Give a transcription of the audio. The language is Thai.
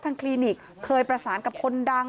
คลินิกเคยประสานกับคนดัง